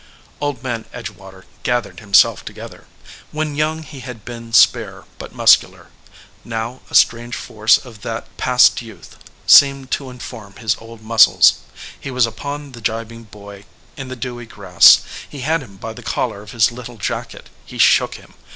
Old Man Edgewater gathered himself together. When young he had been spare but muscular. Now a strange force of that passed youth seemed to in form his old muscles. He was upon the gibing boy in the dewy grass; he had him by the collar of his little jacket; he shook him.